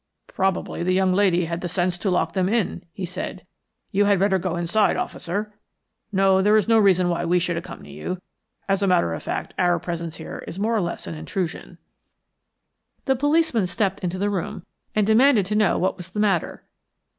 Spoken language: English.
"Probably the young lady had the sense to lock them in," he said. "You had better go inside, officer. No, there is no reason why we should accompany you. As a matter of fact our presence here is more or less an intrusion." The policemen stepped into the room and demanded to know what was the matter.